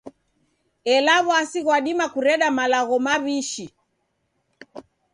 Ela w'asi ghwadima kureda malagho maw'ishi.